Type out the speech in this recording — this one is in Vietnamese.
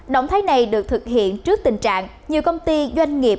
động thái này được thực hiện trước tình trạng nhiều công ty doanh nghiệp